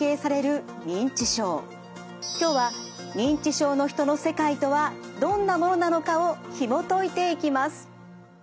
今日は認知症の人の世界とはどんなものなのかをひもといていきます。